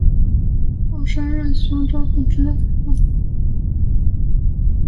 后升任苏州府知府